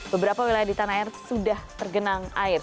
beberapa wilayah di tanah air sudah tergenang air